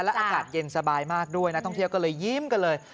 อากาศเย็นสบายมากด้วยนักท่องเที่ยวก็เลยยิ้มกันเลย